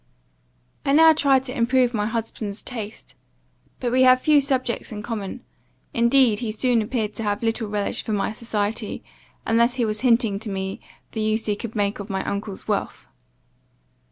"I now tried to improve my husband's taste, but we had few subjects in common; indeed he soon appeared to have little relish for my society, unless he was hinting to me the use he could make of my uncle's wealth.